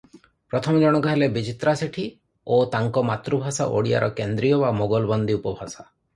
ପ୍ରଥମ ଜଣକ ହେଲେ ବିଚିତ୍ରା ସେଠୀ ଓ ତାଙ୍କ ମାତୃଭାଷା ଓଡ଼ିଆର କେନ୍ଦ୍ରୀୟ ବା ମୋଗଲବନ୍ଦୀ ଉପଭାଷା ।